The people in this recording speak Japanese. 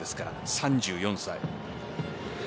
３４歳。